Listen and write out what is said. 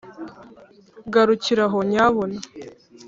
garukira aho nyabuna!